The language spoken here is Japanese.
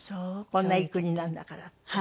こんないい国なんだからって？